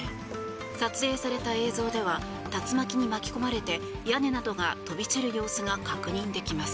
撮影された映像では竜巻に巻き込まれて屋根などが飛び散る様子が確認できます。